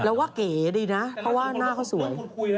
แล้วว่าเก๋ดีนะเห็นหน้าก็สวย